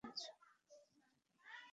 তুমি ঠিক কাজটাই করেছ।